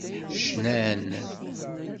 Cnan.